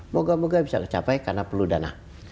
moga moga bisa tercapai karena perlu dana